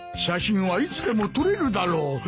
写真はいつでも撮れるだろう。